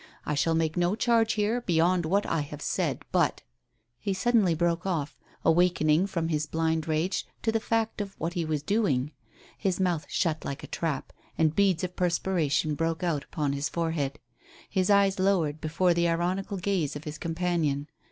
I shall make no charge here beyond what I have said, but " He suddenly broke off, awakening from his blind rage to the fact of what he was doing. His mouth shut like a trap, and beads of perspiration broke out upon his forehead. His eyes lowered before the ironical gaze of his companion.